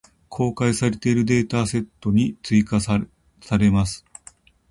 公開されているデータセットに追加せれます。